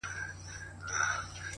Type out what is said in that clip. پام کوه غزل در نه بې خدايه نه سي